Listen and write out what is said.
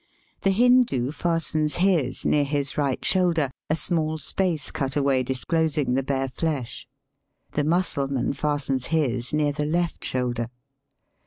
The Hindoo fastens his near his right shoulder, a small space cut away disclosing the bare flesh. The Mussulman fastens his near the left shoulder.